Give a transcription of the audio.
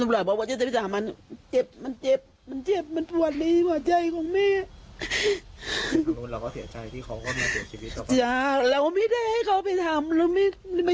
กูบอกว่าเอาไหมมันมามอบตัวนะ